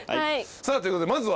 さあということでまずは。